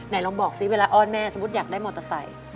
ลองบอกซิเวลาอ้อนแม่สมมุติอยากได้มอเตอร์ไซค์